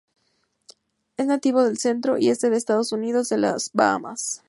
Es nativo del centro y este de Estados Unidos y de las Bahamas.